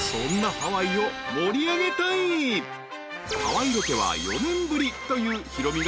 ［ハワイロケは４年ぶりというヒロミが爆買いに挑む］